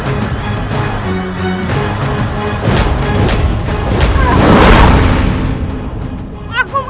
di mana kalauingu